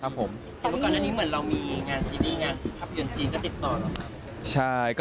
ภาพยนต์จีนก็ติดต่อหรือครับ